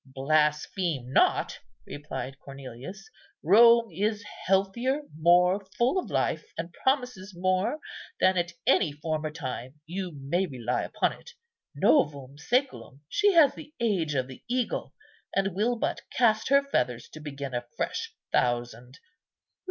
"Blaspheme not," replied Cornelius: "Rome is healthier, more full of life, and promises more, than at any former time, you may rely upon it. 'Novum sæculum!' she has the age of the eagle, and will but cast her feathers to begin a fresh thousand."